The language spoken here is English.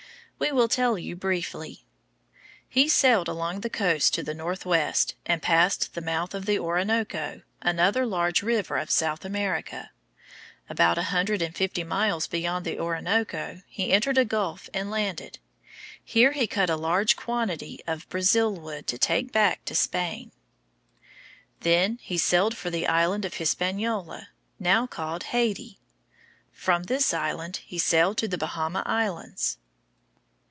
We will tell you briefly. He sailed along the coast to the northwest, and passed the mouth of the Orinoco, another large river of South America. About a hundred and fifty miles beyond the Orinoco, he entered a gulf and landed. Here he cut a large quantity of brazil wood to take back to Spain. [Illustration: Scene on the Orinoco River.] Then he sailed for the island of Hispaniola, now called Haiti. From this island he sailed to the Bahama Islands.